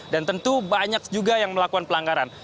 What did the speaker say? dan tentu banyak juga yang melakukan pelanggaran